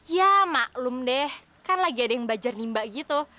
ya maklum deh kan lagi ada yang belajar nimba gitu